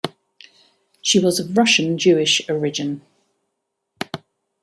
She was of Russian Jewish origin.